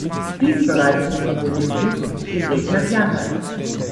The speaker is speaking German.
Dies bereitete dem Buddhismus den Weg nach Japan.